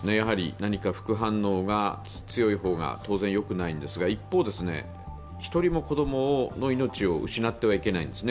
何か副反応が強い方が当然よくないんですが、一方、１人の子供の命も失ってはいけないんですね。